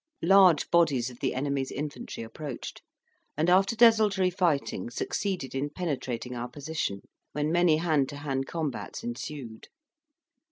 Large bodies of the enemy's infantry approached, and, after desultory fighting, succeeded in penetrating our position, when many hand to hand combats ensued.